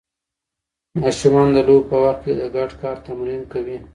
ماشومان د لوبو په وخت کې د ګډ کار تمرین کوي.